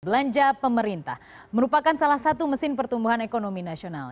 belanja pemerintah merupakan salah satu mesin pertumbuhan ekonomi nasional